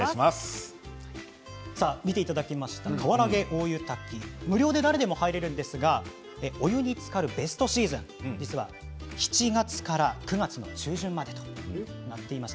見ていただきました川原毛大湯滝、無料で誰でも入れるんですがお湯につかるベストシーズンは７月から９月の中旬までということなんです。